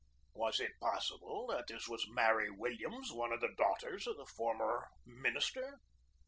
Was it pos sible that this was Mary Williams, one of the daugh ters of the former minister?